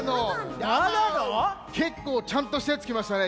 けっこうちゃんとしたやつきましたね